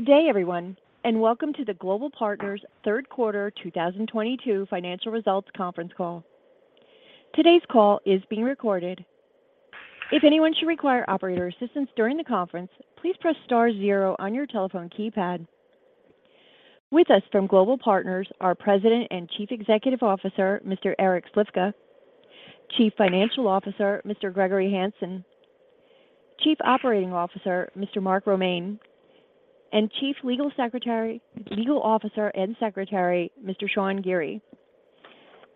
Good day, everyone, and welcome to the Global Partners third quarter 2022 financial results conference call. Today's call is being recorded. If anyone should require operator assistance during the conference, please press star zero on your telephone keypad. With us from Global Partners are President and Chief Executive Officer, Mr. Eric Slifka, Chief Financial Officer, Mr. Gregory Hanson, Chief Operating Officer, Mr. Mark Romaine, and Chief Legal Officer and Secretary, Mr. Sean Geary.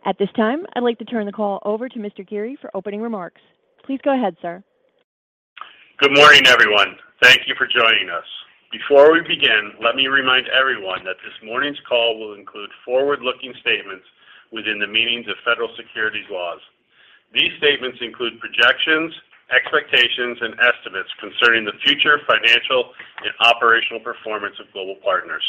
At this time, I'd like to turn the call over to Mr. Geary for opening remarks. Please go ahead, sir. Good morning, everyone. Thank you for joining us. Before we begin, let me remind everyone that this morning's call will include forward-looking statements within the meanings of federal securities laws. These statements include projections, expectations, and estimates concerning the future financial and operational performance of Global Partners.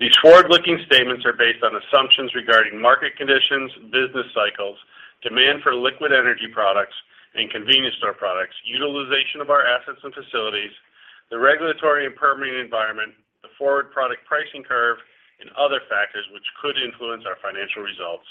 These forward-looking statements are based on assumptions regarding market conditions, business cycles, demand for liquid energy products and convenience store products, utilization of our assets and facilities, the regulatory and permitting environment, the forward product pricing curve, and other factors which could influence our financial results.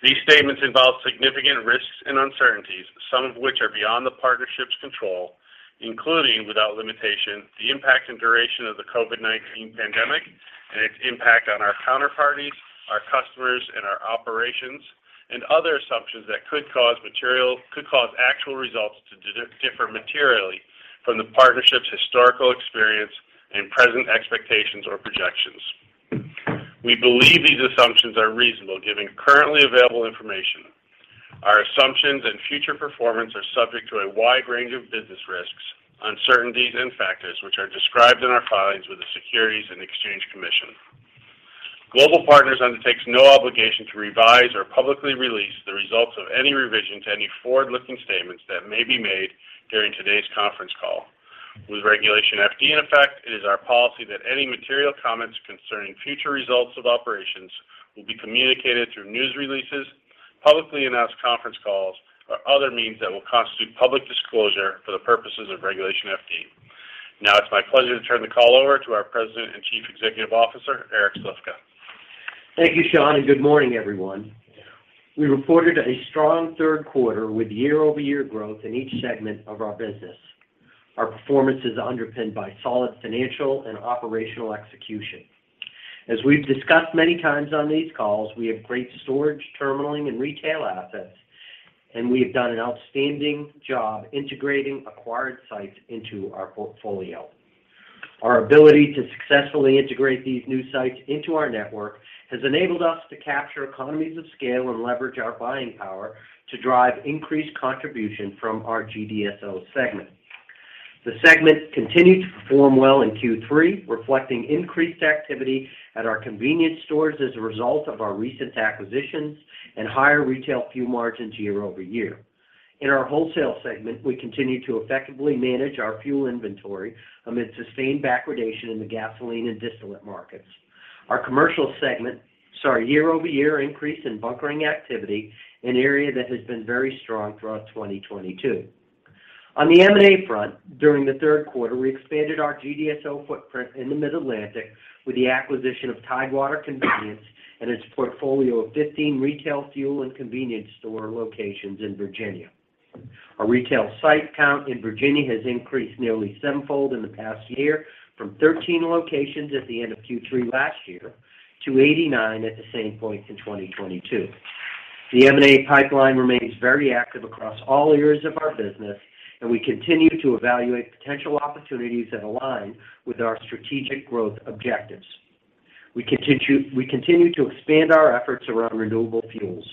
These statements involve significant risks and uncertainties, some of which are beyond the partnership's control, including, without limitation, the impact and duration of the COVID-19 pandemic and its impact on our counterparties, our customers, and our operations, and other assumptions that could cause actual results to differ materially from the partnership's historical experience and present expectations or projections. We believe these assumptions are reasonable given currently available information. Our assumptions and future performance are subject to a wide range of business risks, uncertainties, and factors, which are described in our filings with the Securities and Exchange Commission. Global Partners undertakes no obligation to revise or publicly release the results of any revision to any forward-looking statements that may be made during today's conference call. With Regulation FD in effect, it is our policy that any material comments concerning future results of operations will be communicated through news releases, publicly announced conference calls, or other means that will constitute public disclosure for the purposes of Regulation FD. Now it's my pleasure to turn the call over to our President and Chief Executive Officer, Eric Slifka. Thank you, Sean, and good morning, everyone. We reported a strong third quarter with year-over-year growth in each segment of our business. Our performance is underpinned by solid financial and operational execution. As we've discussed many times on these calls, we have great storage, terminaling, and retail assets, and we have done an outstanding job integrating acquired sites into our portfolio. Our ability to successfully integrate these new sites into our network has enabled us to capture economies of scale and leverage our buying power to drive increased contribution from our GDSO segment. The segment continued to perform well in Q3, reflecting increased activity at our convenience stores as a result of our recent acquisitions and higher retail fuel margins year over year. In our wholesale segment, we continued to effectively manage our fuel inventory amid sustained backwardation in the gasoline and distillate markets. Our commercial segment saw a year-over-year increase in bunkering activity, an area that has been very strong throughout 2022. On the M&A front, during the third quarter, we expanded our GDSO footprint in the Mid-Atlantic with the acquisition of Tidewater Convenience and its portfolio of 15 retail fuel and convenience store locations in Virginia. Our retail site count in Virginia has increased nearly sevenfold in the past year from 13 locations at the end of Q3 last year to 89 at the same point in 2022. The M&A pipeline remains very active across all areas of our business, and we continue to evaluate potential opportunities that align with our strategic growth objectives. We continue to expand our efforts around renewable fuels.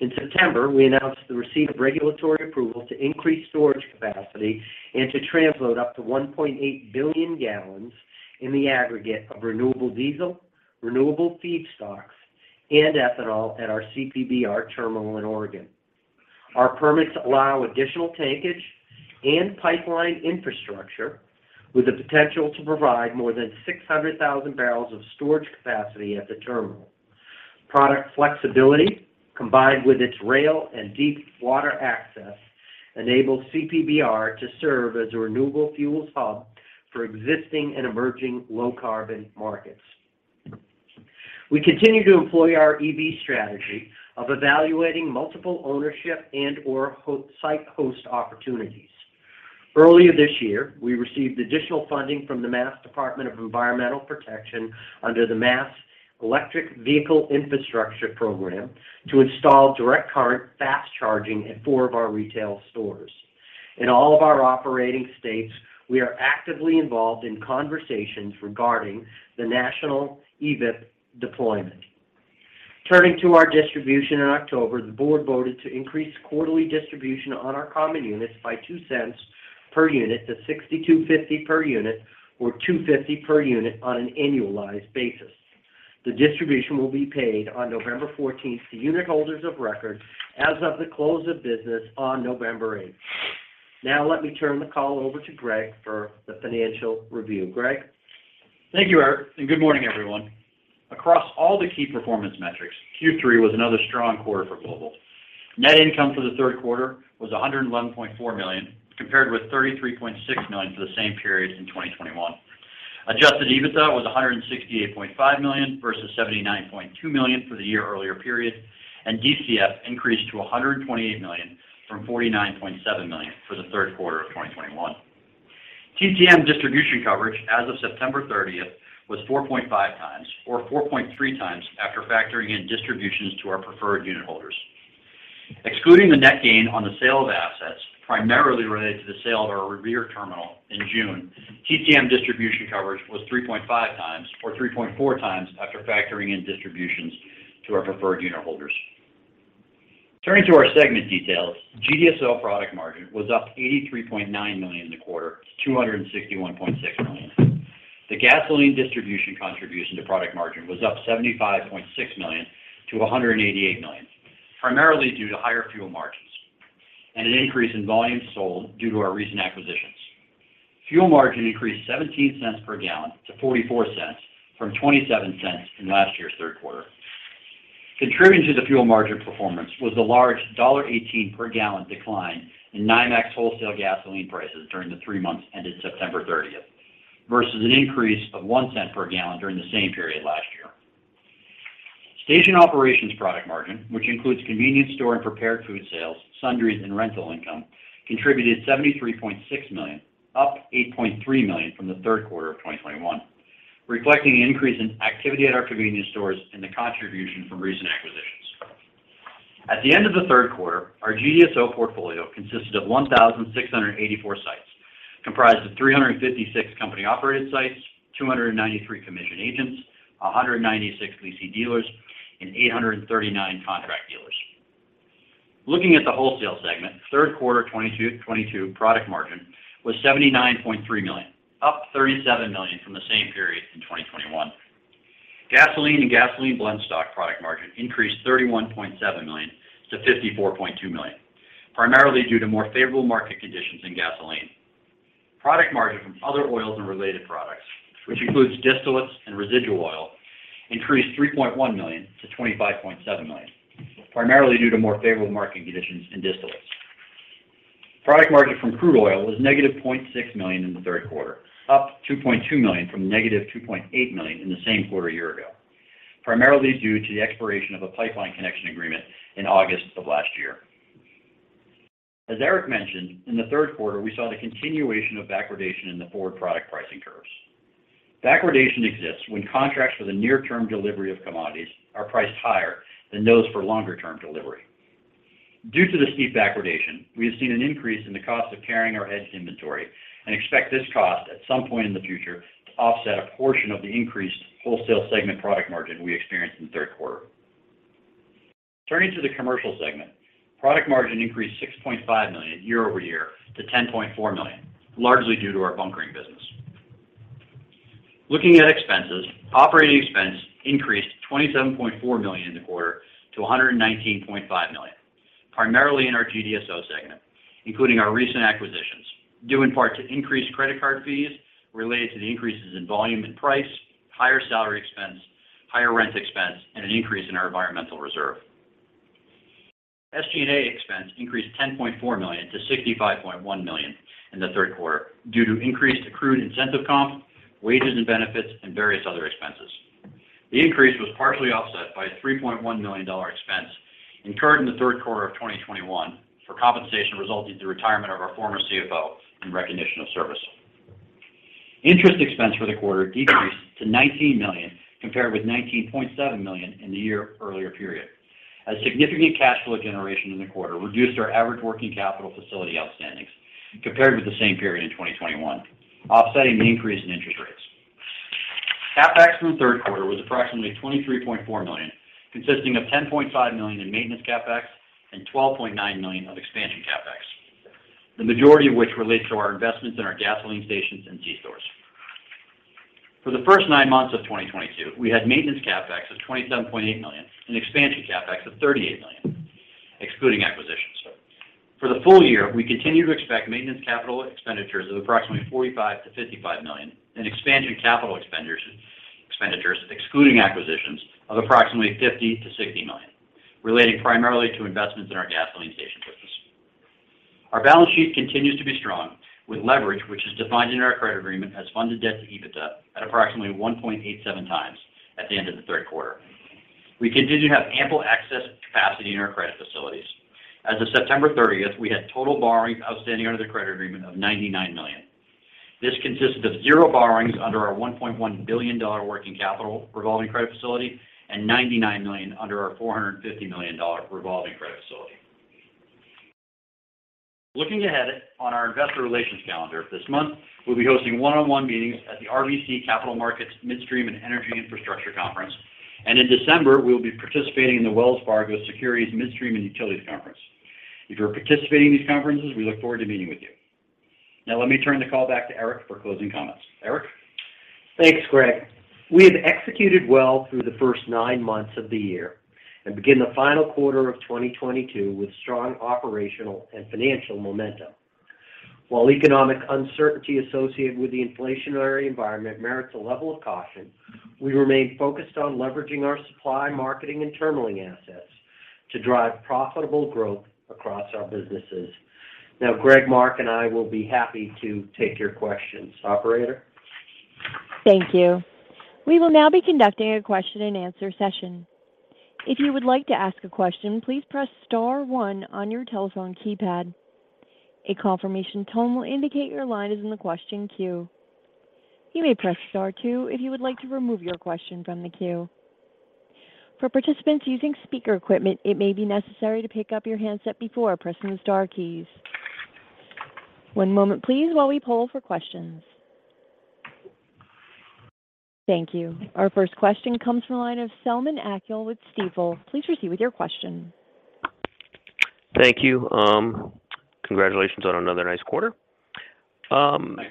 In September, we announced the receipt of regulatory approval to increase storage capacity and to transload up to 1.8 billion gallons in the aggregate of renewable diesel, renewable feedstocks, and ethanol at our CPBR terminal in Oregon. Our permits allow additional tankage and pipeline infrastructure with the potential to provide more than 600,000 barrels of storage capacity at the terminal. Product flexibility combined with its rail and deep water access enables CPBR to serve as a renewable fuels hub for existing and emerging low carbon markets. We continue to employ our EV strategy of evaluating multiple ownership and/or host site opportunities. Earlier this year, we received additional funding from the Massachusetts Department of Environmental Protection under the Massachusetts Electric Vehicle Incentive Program to install direct current fast charging at four of our retail stores. In all of our operating states, we are actively involved in conversations regarding the national EVIP deployment. Turning to our distribution in October, the board voted to increase quarterly distribution on our common units by $0.02 per unit to $0.6250 per unit or $2.50 per unit on an annualized basis. The distribution will be paid on November fourteenth to unitholders of record as of the close of business on November eighth. Now let me turn the call over to Greg for the financial review. Greg? Thank you, Eric, and good morning, everyone. Across all the key performance metrics, Q3 was another strong quarter for Global. Net income for the third quarter was $101.4 million, compared with $33.6 million for the same period in 2021. Adjusted EBITDA was $168.5 million versus $79.2 million for the year earlier period, and DCF increased to $128 million from $49.7 million for the third quarter of 2021. TTM distribution coverage as of September 30 was 4.5x or 4.3x after factoring in distributions to our preferred unitholders. Excluding the net gain on the sale of assets primarily related to the sale of our Revere terminal in June, TTM distribution coverage was 3.5x or 3.4x after factoring in distributions to our preferred unitholders. Turning to our segment details, GDSO product margin was up $83.9 million in the quarter to $261.6 million. The gasoline distribution contribution to product margin was up $75.6 million to $188 million, primarily due to higher fuel margins and an increase in volume sold due to our recent acquisitions. Fuel margin increased $0.17 per gallon to $0.44 from $0.27 in last year's third quarter. Contributing to the fuel margin performance was the large $0.18 per gallon decline in NYMEX wholesale gasoline prices during the three months ended September 30 versus an increase of $0.01 per gallon during the same period last year. Station operations product margin, which includes convenience store and prepared food sales, sundries, and rental income, contributed $73.6 million, up $8.3 million from the third quarter of 2021, reflecting the increase in activity at our convenience stores and the contribution from recent acquisitions. At the end of the third quarter, our GDSO portfolio consisted of 1,684 sites, comprised of 356 company-operated sites, 293 commissioned agents, 196 lessee dealers, and 839 contract dealers. Looking at the wholesale segment, third quarter 2022 product margin was $79.3 million, up $37 million from the same period in 2021. Gasoline and gasoline blendstock product margin increased $31.7 million to $54.2 million, primarily due to more favorable market conditions in gasoline. Product margin from other oils and related products, which includes distillates and residual oil, increased $3.1 million to $25.7 million, primarily due to more favorable market conditions in distillates. Product margin from crude oil was -$0.6 million in the third quarter, up $2.2 million from -$2.8 million in the same quarter a year ago, primarily due to the expiration of a pipeline connection agreement in August of last year. As Eric mentioned, in the third quarter, we saw the continuation of backwardation in the forward product pricing curves. Backwardation exists when contracts for the near-term delivery of commodities are priced higher than those for longer-term delivery. Due to the steep backwardation, we have seen an increase in the cost of carrying our hedged inventory and expect this cost at some point in the future to offset a portion of the increased wholesale segment product margin we experienced in the third quarter. Turning to the commercial segment, product margin increased $6.5 million year-over-year to $10.4 million, largely due to our bunkering business. Looking at expenses, operating expense increased $27.4 million in the quarter to $119.5 million, primarily in our GDSO segment, including our recent acquisitions, due in part to increased credit card fees related to the increases in volume and price, higher salary expense, higher rent expense, and an increase in our environmental reserve. SG&A expense increased $10.4 million to $65.1 million in the third quarter due to increased accrued incentive comp, wages and benefits, and various other expenses. The increase was partially offset by a $3.1 million expense incurred in the third quarter of 2021 for compensation resulting in the retirement of our former CFO in recognition of service. Interest expense for the quarter decreased to $19 million, compared with $19.7 million in the year earlier period, as significant cash flow generation in the quarter reduced our average working capital facility outstandings compared with the same period in 2021, offsetting the increase in interest rates. CapEx in the third quarter was approximately $23.4 million, consisting of $10.5 million in maintenance CapEx and $12.9 million of expansion CapEx, the majority of which relates to our investments in our gasoline stations and C-stores. For the first nine months of 2022, we had maintenance CapEx of $27.8 million and expansion CapEx of $38 million, excluding acquisitions. For the full year, we continue to expect maintenance capital expenditures of approximately $45-$55 million and expansion capital expenditures, excluding acquisitions, of approximately $50 million-$60 million, relating primarily to investments in our gasoline station business. Our balance sheet continues to be strong with leverage, which is defined in our credit agreement as funded debt to EBITDA at approximately 1.87x at the end of the third quarter. We continue to have ample access and capacity in our credit facilities. As of September 30, we had total borrowings outstanding under the credit agreement of $99 million. This consisted of zero borrowings under our $1.1 billion working capital revolving credit facility and $99 million under our $450 million revolving credit facility. Looking ahead on our investor relations calendar this month, we'll be hosting one-on-one meetings at the RBC Capital Markets Midstream and Energy Infrastructure Conference. In December, we will be participating in the Wells Fargo Wells Fargo Midstream, Utility & Renewables Symposium Thanks, Greg. We have executed well through the first nine months of the year and begin the final quarter of 2022 with strong operational and financial momentum. While economic uncertainty associated with the inflationary environment merits a level of caution, we remain focused on leveraging our supply, marketing, and terminaling assets to drive profitable growth across our businesses. Now, Greg, Mark, and I will be happy to take your questions. Operator? Thank you. We will now be conducting a question and answer session. If you would like to ask a question, please press star one on your telephone keypad. A confirmation tone will indicate your line is in the question queue. You may press star two if you would like to remove your question from the queue. For participants using speaker equipment, it may be necessary to pick up your handset before pressing the star keys. One moment please while we poll for questions. Thank you. Our first question comes from the line of Selman Akyol with Stifel. Please proceed with your question. Thank you. Congratulations on another nice quarter. Thanks.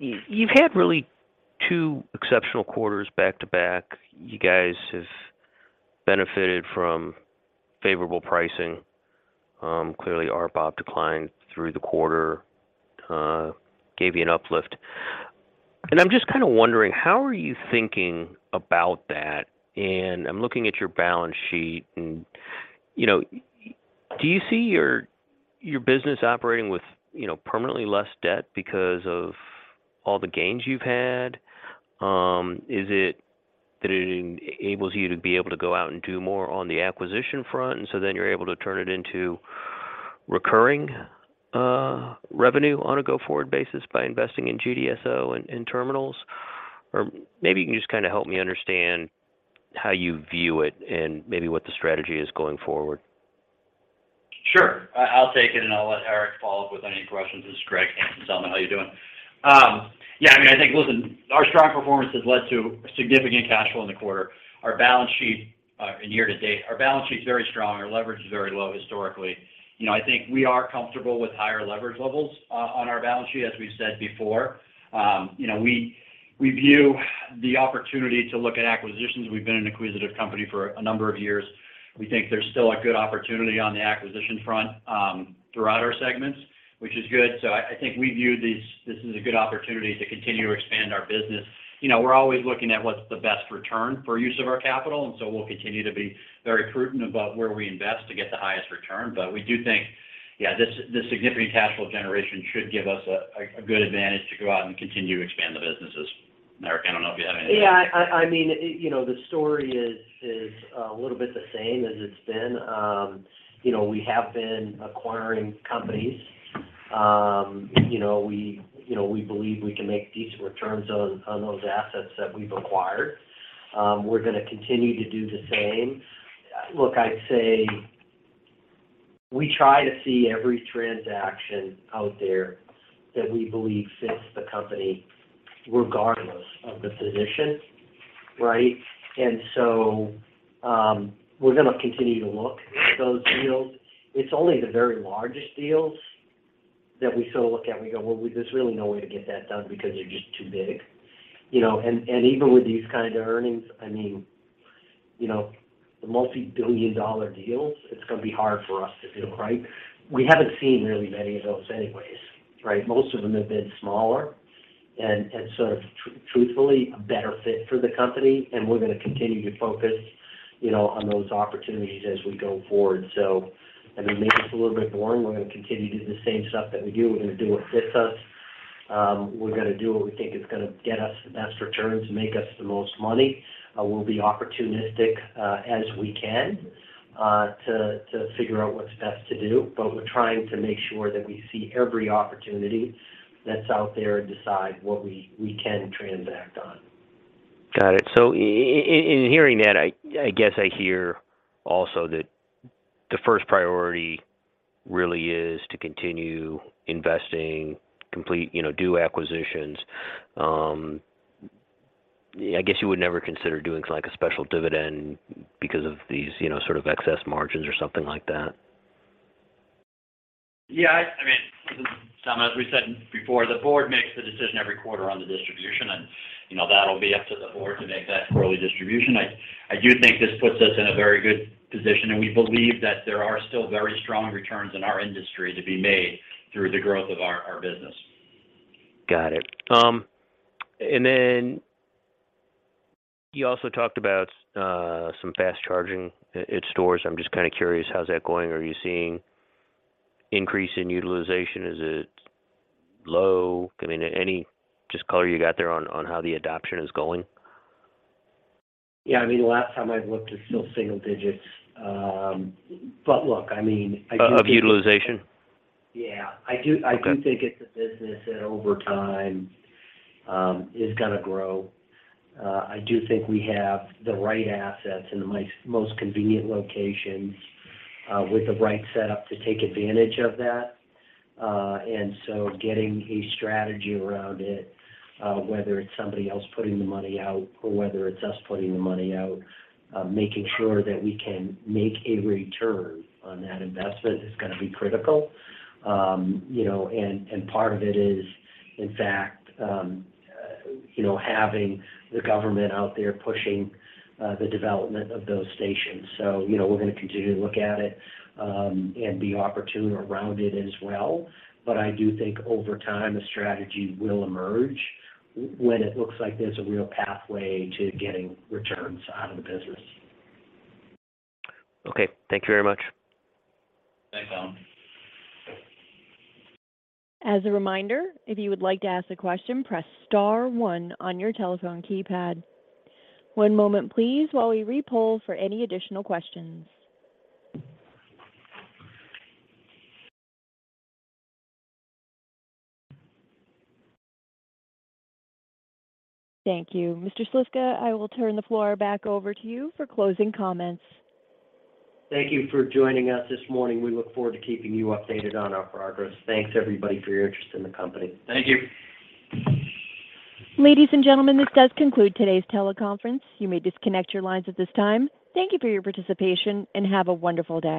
You've had really two exceptional quarters back to back. You guys have benefited from favorable pricing. Clearly RBOB declined through the quarter, gave you an uplift. I'm just kinda wondering, how are you thinking about that? I'm looking at your balance sheet and, you know, do you see your business operating with, you know, permanently less debt because of all the gains you've had? Is it that it enables you to be able to go out and do more on the acquisition front, and so then you're able to turn it into recurring revenue on a go-forward basis by investing in GDSO in terminals? Or maybe you can just kinda help me understand how you view it and maybe what the strategy is going forward. Sure. I'll take it, and I'll let Eric follow up with any questions. This is Greg. Selman, how are you doing? Yeah, I mean, I think, listen, our strong performance has led to significant cash flow in the quarter. Our balance sheet, in year to date, our balance sheet's very strong. Our leverage is very low historically. You know, I think we are comfortable with higher leverage levels on our balance sheet, as we've said before. You know, we view the opportunity to look at acquisitions. We've been an acquisitive company for a number of years. We think there's still a good opportunity on the acquisition front, throughout our segments, which is good. I think we view this as a good opportunity to continue to expand our business. You know, we're always looking at what's the best return for use of our capital, and so we'll continue to be very prudent about where we invest to get the highest return. We do think, yeah, this significant cash flow generation should give us a good advantage to go out and continue to expand the businesses. Eric, I don't know if you have anything to add. Yeah. I mean, you know, the story is a little bit the same as it's been. You know, we have been acquiring companies. You know, we believe we can make decent returns on those assets that we've acquired. We're gonna continue to do the same. Look, I'd say we try to see every transaction out there that we believe fits the company regardless of the position, right? We're gonna continue to look at those deals. It's only the very largest deals that we sort of look at and we go, "Well, there's really no way to get that done because they're just too big." You know, and even with these kind of earnings, I mean, you know, the multi-billion-dollar deals, it's gonna be hard for us to do, right? We haven't seen really many of those anyways, right? Most of them have been smaller and sort of truthfully a better fit for the company, and we're gonna continue to focus, you know, on those opportunities as we go forward. I mean, maybe it's a little bit boring. We're gonna continue to do the same stuff that we do. We're gonna do what fits us. We're gonna do what we think is gonna get us the best returns, make us the most money. We'll be opportunistic as we can to figure out what's best to do, but we're trying to make sure that we see every opportunity that's out there and decide what we can transact on. Got it. In hearing that, I guess I hear also that the first priority really is to continue investing, complete, you know, do acquisitions. I guess you would never consider doing, like, a special dividend because of these, you know, sort of excess margins or something like that. Yeah, I mean, Selman, as we said before, the board makes the decision every quarter on the distribution and, you know, that'll be up to the board to make that quarterly distribution. I do think this puts us in a very good position, and we believe that there are still very strong returns in our industry to be made through the growth of our business. Got it. Then you also talked about some fast charging at stores. I'm just kinda curious, how's that going? Are you seeing increase in utilization? Is it low? I mean, any just color you got there on how the adoption is going? Yeah, I mean, last time I looked, it's still single digits. Look, I mean, I do- Of utilization? Yeah. Okay. I do think it's a business that over time is gonna grow. I do think we have the right assets in the most convenient locations with the right setup to take advantage of that. Getting a strategy around it, whether it's somebody else putting the money out or whether it's us putting the money out, making sure that we can make a return on that investment is gonna be critical. You know, and part of it is, in fact, you know, having the government out there pushing the development of those stations. You know, we're gonna continue to look at it and be opportune around it as well. I do think over time a strategy will emerge when it looks like there's a real pathway to getting returns out of the business. Okay. Thank you very much. Thanks, Selman. As a reminder, if you would like to ask a question, press star one on your telephone keypad. One moment, please, while we re-poll for any additional questions. Thank you. Mr. Slifka, I will turn the floor back over to you for closing comments. Thank you for joining us this morning. We look forward to keeping you updated on our progress. Thanks everybody for your interest in the company. Thank you. Ladies and gentlemen, this does conclude today's teleconference. You may disconnect your lines at this time. Thank you for your participation, and have a wonderful day.